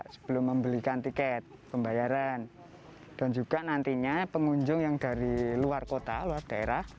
sebelum membelikan tiket pembayaran dan juga nantinya pengunjung yang dari luar kota luar daerah